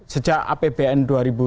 sejak apbn dua ribu sembilan belas